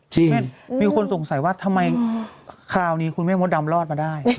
เช่นมีคนสงสัยว่าทำไมคราวนี้คุณแม่มดดำรอดมาได้